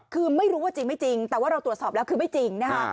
คือไม่รู้ว่าจริงไม่จริงแต่ว่าเราตรวจสอบแล้วคือไม่จริงนะคะ